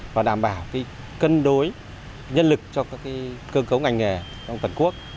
và đảm bảo cân đối nhân lực cho các cơ cấu ngành nghề trong toàn quốc